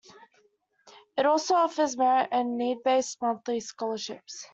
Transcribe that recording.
It also offers merit and need-based monthly scholarships.